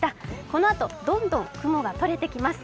このあと、どんどん雲がとれていきます。